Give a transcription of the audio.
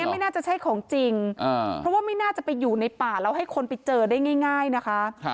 ไม่น่าจะใช่ของจริงเพราะว่าไม่น่าจะไปอยู่ในป่าแล้วให้คนไปเจอได้ง่ายนะคะ